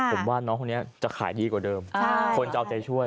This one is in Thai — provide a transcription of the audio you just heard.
ผมว่าน้องคนนี้จะขายดีกว่าเดิมคนจะเอาใจช่วย